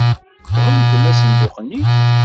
Tɣeldem asenduq-nni.